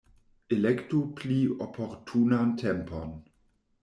Elektu pli oportunan tempon.